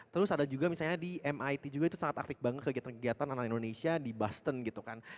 terus ada juga misalnya di mit juga itu sangat aktif banget kegiatan kegiatan anak anak indonesia di boston gitu kan